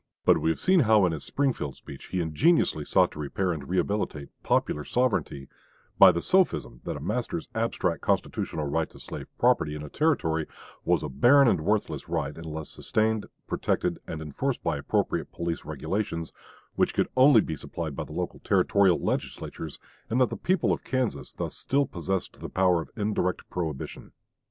But we have seen how in his Springfield speech he ingeniously sought to repair and rehabilitate "popular sovereignty" by the sophism that a master's abstract constitutional right to slave property in a Territory was a "barren and a worthless right unless sustained, protected, and enforced by appropriate police regulations," which could only be supplied by the local Territorial Legislatures; and that the people of Kansas thus still possessed the power of indirect prohibition. 1857.